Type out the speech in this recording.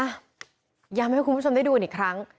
ย้ำให้คุณผู้ชมได้ดูกันอีกครั้ง